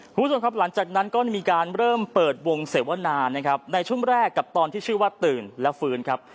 คุณผู้ชมครับหลังจากนั้นก็มีการเริ่มเปิดวงเสวนานะครับในช่วงแรกกับตอนที่ชื่อว่าตื่นและฟื้นครับ